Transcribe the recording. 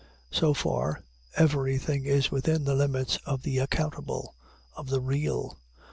So far, everything is within the limits of the accountable of the real.